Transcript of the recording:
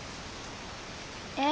え？